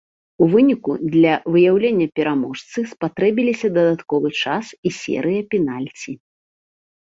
У выніку для выяўлення пераможцы спатрэбіліся дадатковы час і серыя пенальці.